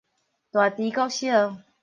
大池國小